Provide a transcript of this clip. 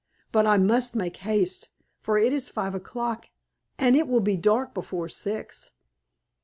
But I must make haste, for it is five o'clock, and it will be dark before six."